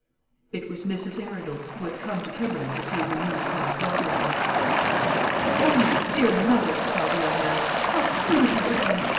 It was Mrs. Arundel, who had come to Kemberling to see her newly found daughter in law. "Oh, my dear mother," cried the young man, "how good of you to come!